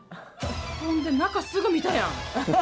そんで、中すぐ見たやん。